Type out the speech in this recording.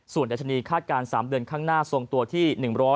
ส่วนดัชนีคาดการณ์๓เดือนข้างหน้าทรงตัวที่๑๐๐